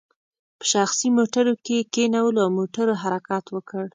په شخصي موټرو کې یې کینولو او موټرو حرکت وکړ.